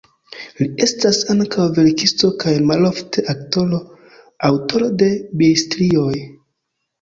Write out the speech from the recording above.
Li estas ankaŭ verkisto kaj malofte aktoro, aŭtoro de bildstrioj.